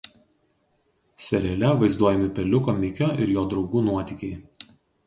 Seriale vaizduojami Peliuko Mikio ir jo draugų nuotykiai.